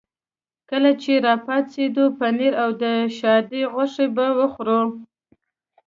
کله چې را پاڅېدو پنیر او د شادي غوښه به وخورو.